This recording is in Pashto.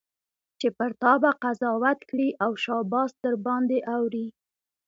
چي پر تا به قضاوت کړي او شاباس درباندي اوري